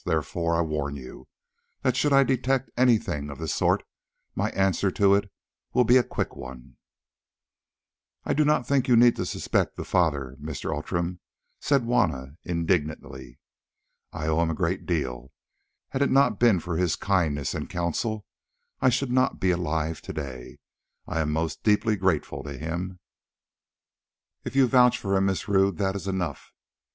Therefore I warn you that should I detect anything of the sort my answer to it will be a quick one." "I do not think that you need suspect the Father, Mr. Outram," said Juanna indignantly. "I owe him a great deal: had it not been for his kindness and counsel, I should not be alive to day. I am most deeply grateful to him." "If you vouch for him, Miss Rodd, that is enough.